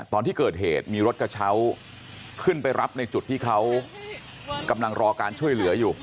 ตอนที่เกิดเหตุมีรถกระเช้าขึ้นไปรับในจุดที่เขากำลังรอการช่วยเหลืออยู่